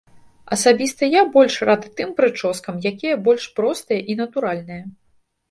Асабіста я больш рады тым прычоскам, якія больш простыя і натуральныя.